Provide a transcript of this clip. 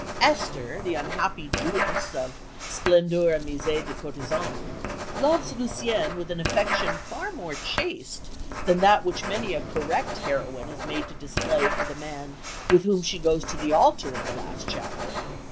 Esther, the unhappy Jewess of Splendeurs et Misèes de Courtisanes, loves Lucien with an affection far more chaste than that which many a correct heroine is made to display for the man with whom she goes to the altar in the last chapter.